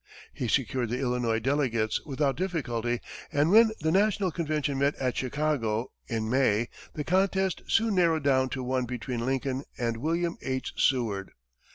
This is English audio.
He secured the Illinois delegates without difficulty, and when the national convention met at Chicago, in May, the contest soon narrowed down to one between Lincoln and William H. Seward.